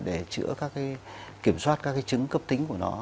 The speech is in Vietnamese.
để chữa các cái kiểm soát các cái trứng cấp tính của nó